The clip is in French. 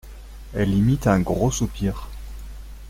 Elle imite un gros soupir.